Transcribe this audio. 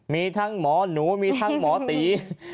มีทั้งหมอหนูมีทั้งหมอตี